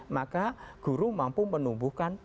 maka guru mampu menumbuhkan